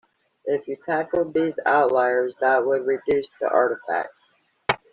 If you tackled these outliers that would reduce the artifacts.